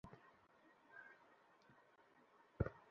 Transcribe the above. দাদা, আমি দাদা, আমি কলেজে যেতে চাই না।